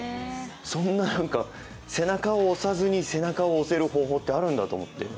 そんな、背中を押さずに背中を押す方法ってあるんだと思って。